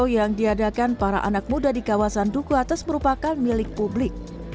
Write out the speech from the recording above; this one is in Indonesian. yang diadakan para anak muda di kawasan duku atas merupakan milik publik